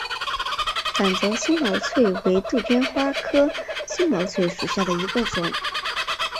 反折松毛翠为杜鹃花科松毛翠属下的一个种。